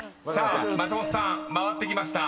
［松本さん回ってきました］